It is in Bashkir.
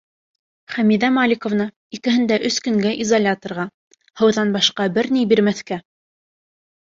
Хәмиҙә Маликовна, икеһен дә өс көнгә изоляторға, һыуҙан башҡа бер ни бирмәҫкә!